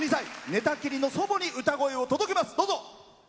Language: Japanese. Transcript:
寝たきりの祖母に歌声を届けます。